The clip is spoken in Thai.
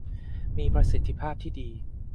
มีประสิทธิภาพที่ดี